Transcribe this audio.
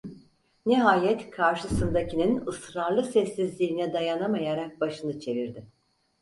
Nihayet karşısındakinin ısrarlı sessizliğine dayanamayarak başını çevirdi.